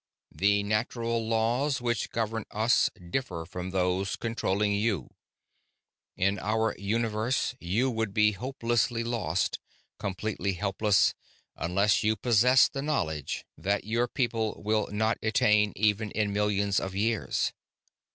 The natural laws which govern us differ from those controlling you. In our universe, you would be hopelessly lost, completely helpless, unless you possessed the knowledge that your people will not attain even in millions of years.